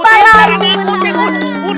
udah jangan ikutin jangan diikutin